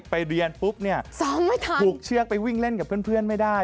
ไปเรียนปุ๊บผูกเชือกไปวิ่งเล่นกับเพื่อนไม่ได้